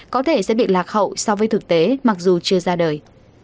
có thể sẽ bị lạc hậu so với thực tế mặc dù chưa ra đời